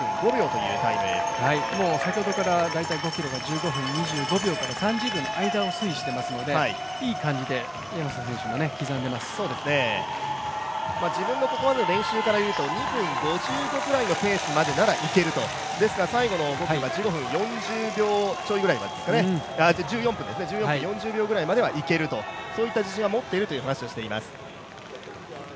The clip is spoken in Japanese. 先ほどから５ｋｍが１５分２５分３０秒の間を推移していますので自分の練習からすると２分５５ぐらいのペースならいけるとですから最後の５ｋｍは１４分４０秒くらいまでは、いけると、そういった自信は持っているという話はしています。